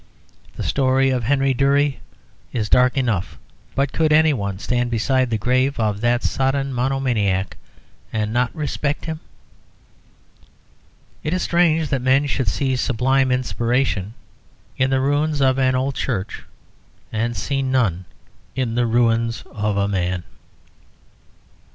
The story of Henry Durie is dark enough, but could anyone stand beside the grave of that sodden monomaniac and not respect him? It is strange that men should see sublime inspiration in the ruins of an old church and see none in the ruins of a man.